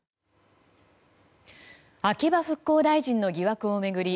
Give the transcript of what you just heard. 秋葉復興大臣の疑惑を巡り